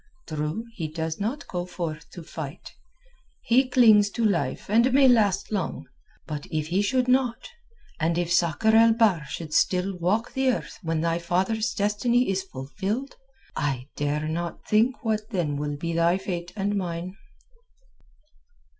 True, he does not go forth to fight. He clings to life and may last long. But if he should not, and if Sakr el Bahr should still walk the earth when thy father's destiny is fulfilled, I dare not think what then will be thy fate and mine."